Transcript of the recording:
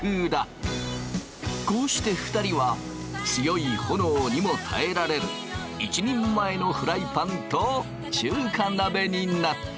こうして２人は強い炎にも耐えられる一人前のフライパンと中華鍋になった。